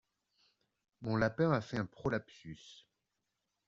Mon lapin a fait un prolapsus.